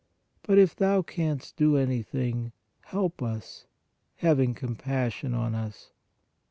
But if Thou canst do any thing, help us, having compassion on us.